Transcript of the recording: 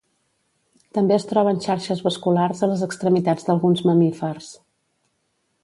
També es troben xarxes vasculars a les extremitats d'alguns mamífers.